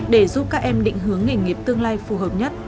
để giúp các em định hướng nghề nghiệp tương lai phù hợp nhất